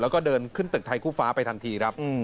แล้วก็เดินขึ้นตึกไทยคู่ฟ้าไปทันทีครับ